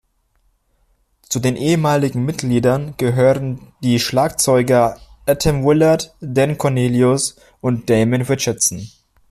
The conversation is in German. Zu den ehemaligen Mitgliedern gehören die Schlagzeuger Atom Willard, Dan Cornelius und Damon Richardson.